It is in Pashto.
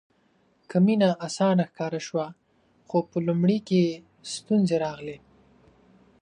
که مینه اسانه ښکاره شوه خو په لومړي کې ستونزې راغلې.